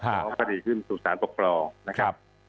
แล้วคดีขึ้นสู่สารปกครองนะครับ